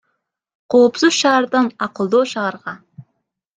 Коопсуз шаардан акылдуу шаарга